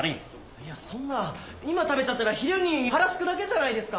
いやそんな今食べちゃったら昼に腹すくだけじゃないですか！